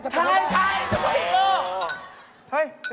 ใช่ซุปเปอร์ฮีโร่